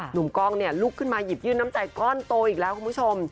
หนุ่มกล้องเนี่ยลุกขึ้นมาหยิบยื่นน้ำใจก้อนโตอีกแล้วคุณผู้ชม